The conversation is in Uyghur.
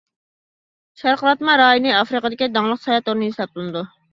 شارقىراتما رايونى ئافرىقىدىكى داڭلىق ساياھەت ئورنى ھېسابلىنىدۇ.